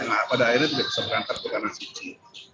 nah pada akhirnya tidak bisa berangkat ke tanah suci